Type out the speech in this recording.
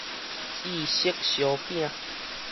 意式燒餅